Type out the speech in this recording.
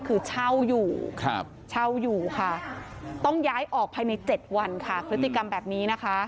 คือเช่าอยู่ต้องย้ายออกภายใน๗วันค่ะพฤติกรรมแบบนี้นะคะ